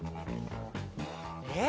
えっ？